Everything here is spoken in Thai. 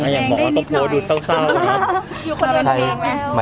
อย่างหมออัตโภดูเศร้า